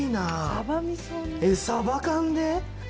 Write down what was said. サバ缶で？